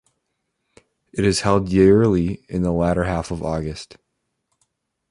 It is held yearly in the latter half of August.